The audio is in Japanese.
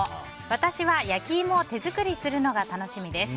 私は焼き芋を手作りするのが楽しみです。